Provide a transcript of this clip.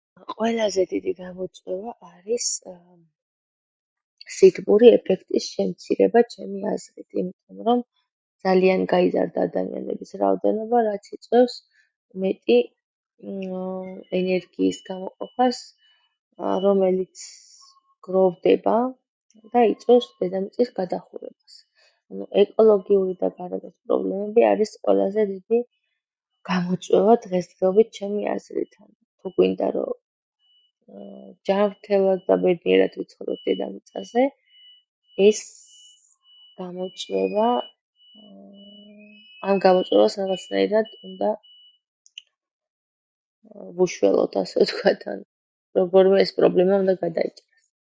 ყველაზე დიდი გამოწვევა არის სითბური ეფექტის შემცირება, ჩემი აზრით, იმიტომ, რომ ძალიან გაიზარდა ადამიანების რაოდენობა, რაც იწვევს მეტი ენერგიის გამოყოფას, რომელიც გროვდება და იწვევს დედამიწის გადახურებას. ეკოლოგიური და გარემოს პრობლემები არის ყველაზე დიდი გამოწვევა დღესდღეობით, ჩემი აზრით. თუ გვინდა, რომ ჯანმრთელად და ბედნიერად ვიცხოვროთ დედამიწაზე, ეს გამოწვევა... ამ გამოწვევას რაღაცნაირად უნდა ვუშველოთ, ასე ვთქვათ. ანუ, როგორმე ეს პრობლემა უნდა გადაიჭრას.